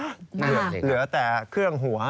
เหลือแต่เครื่องหัว